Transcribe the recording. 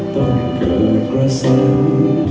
ตอนเกิดกระสั่ง